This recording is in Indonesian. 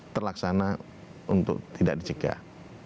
terlaksana untuk tidak dicegah